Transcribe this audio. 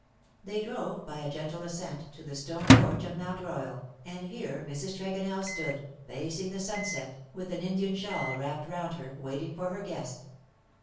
They drove, by a gentle ascent, to the stone porch of Mount Royal, and here Mrs. Tregonell stood, facing the sunset, with an 46 BUT THEN CAME ONE, Indian shawl wrapped round her, waiting for her guest.